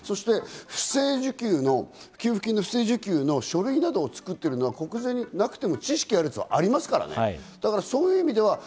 不正受給の給付金の書類などを作っているのは、国税にいなくても知識あるやつはいますからね。